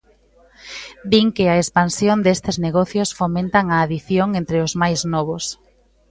Din que a expansión destes negocios fomentan a adicción entre os máis novos.